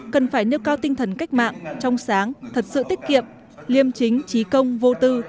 cần phải nêu cao tinh thần cách mạng trong sáng thật sự tiết kiệm liêm chính trí công vô tư